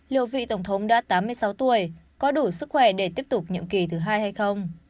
liệu vị tổng thống đã tám mươi sáu tuổi có đủ sức khỏe để tiếp tục nhiệm kỳ thứ hai hay không